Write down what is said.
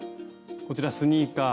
こちらスニーカー。